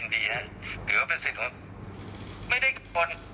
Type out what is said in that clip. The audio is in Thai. จริงคือเป็นสิ่งที่ไม่ได้กังวล